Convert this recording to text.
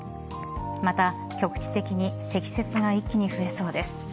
また、局地的に積雪が一気に増えそうです。